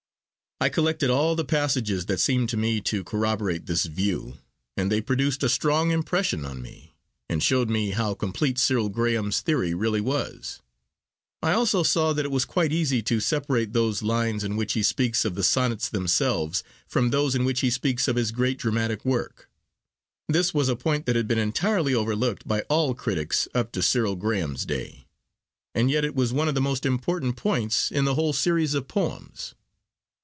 I collected all the passages that seemed to me to corroborate this view, and they produced a strong impression on me, and showed me how complete Cyril Graham's theory really was. I also saw that it was quite easy to separate those lines in which he speaks of the Sonnets themselves from those in which he speaks of his great dramatic work. This was a point that had been entirely overlooked by all critics up to Cyril Graham's day. And yet it was one of the most important points in the whole series of poems.